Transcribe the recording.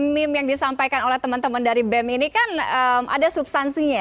meme yang disampaikan oleh teman teman dari bem ini kan ada substansinya ya